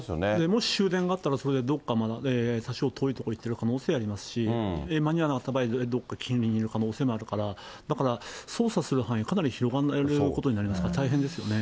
もし終電があったら、それはどっかまで、多少遠い所行ってる可能性ありますし、間に合わなかった場合、どこか近隣にいる可能性もあるから、だから、捜査する範囲、かなり広がることになりますから、大変ですよね。